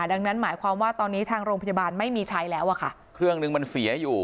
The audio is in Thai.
ดังนั้นหมายความว่าตอนนี้ทางโรงพยาบาลไม่มีใช้แล้วอะค่ะเครื่องหนึ่งมันเสียอยู่